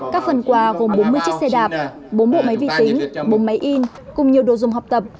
các phần quà gồm bốn mươi chiếc xe đạp bốn bộ máy vi tính bốn máy in cùng nhiều đồ dùng học tập